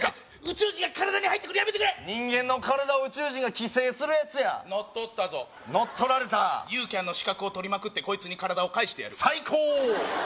宇宙人が体に入ってくるやめてくれ人間の体を宇宙人が寄生するやつや乗っ取ったぞ乗っ取られたユーキャンの資格を取りまくってコイツに体を返してやる最高！